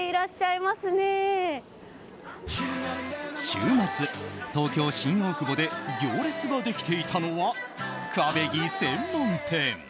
週末、東京・新大久保で行列ができていたのはクァベギ専門店。